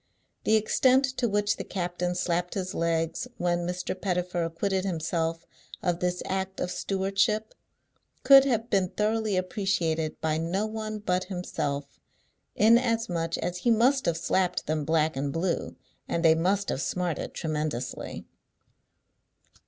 The extent to which the captain slapped his legs, when Mr. Pettifer acquitted himself of this act of stewardship, could have been thoroughly appreciated by no one but himself; inasmuch as he must have slapped them black and blue, and they must have smarted tremendously.